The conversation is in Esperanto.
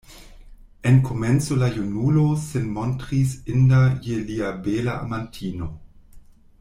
En komenco la junulo sin montris inda je lia bela amantino.